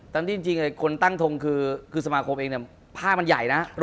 ที่จริงคนตั้งทงคือสมาคมเองเนี่ยผ้ามันใหญ่นะ